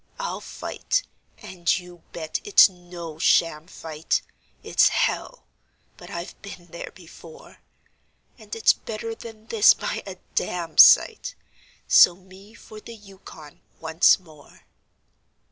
I'll fight and you bet it's no sham fight; It's hell! but I've been there before; And it's better than this by a damsite So me for the Yukon once more.